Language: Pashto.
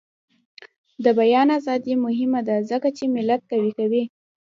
د بیان ازادي مهمه ده ځکه چې ملت قوي کوي.